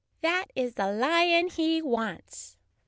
"That is the lion he wants!"